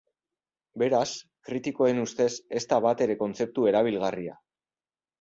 Beraz, kritikoen ustez, ez da batere kontzeptu erabilgarria.